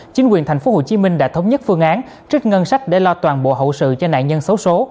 chính quyền tp hcm đã thống nhất phương án trích ngân sách để lo toàn bộ hậu sự cho nạn nhân xấu xố